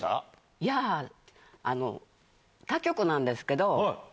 いや、他局なんですけど。